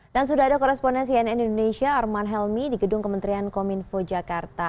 dan sudah ada koresponnya cnnindonesia arman helmi di gedung kementerian kominfo jakarta